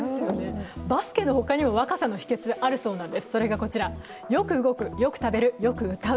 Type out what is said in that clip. バスケの他にも若さの秘けつがあるそうです。